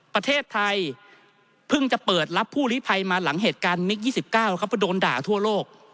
ประเทศไทยเพิ่งจะเปิดรับผู้ลิภัยมาหลังเหตุการณ์มิค๒๙ครับเพราะโดนด่าทั่วโลก